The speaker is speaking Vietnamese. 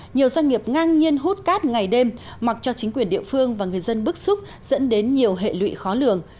nhiều doanh nghiệp ngang nhiên hút cát ngày đêm mặc cho chính quyền địa phương và người dân bức xúc dẫn đến nhiều hệ lụy khó lường